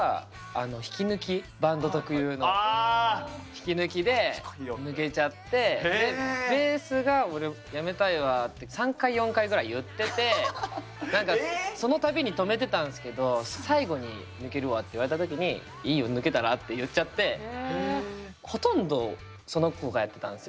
引き抜きで抜けちゃってでベースが「俺辞めたいわ」って３回４回ぐらい言ってて何かその度に止めてたんすけど最後に「抜けるわ」って言われた時に「いいよ抜けたら」って言っちゃってほとんどその子がやってたんすよ。